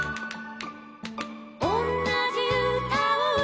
「おんなじうたをうたえば」